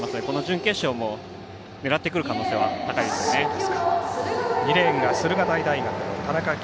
この準決勝も狙ってくる可能性が高いです。